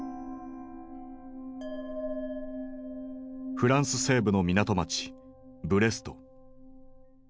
フランス西部の港街ブレスト。